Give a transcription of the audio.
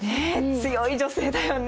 強い女性だよね。